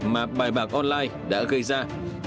mà bài bạc online đã gây ra